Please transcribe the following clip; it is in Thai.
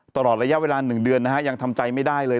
ตลอดระยะเวลา๑เดือนนะฮะยังทำใจไม่ได้เลย